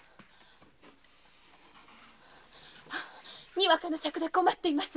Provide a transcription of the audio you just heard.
にわかの「シャク」で困っています。